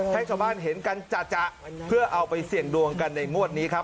ให้ชาวบ้านเห็นกันจ่ะเพื่อเอาไปเสี่ยงดวงกันในงวดนี้ครับ